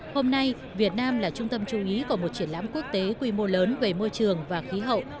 hôm nay việt nam là trung tâm chú ý của một triển lãm quốc tế quy mô lớn về môi trường và khí hậu